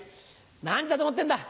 何時だと思ってんだ！